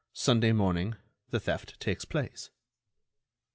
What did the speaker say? Sunday morning, the theft takes place."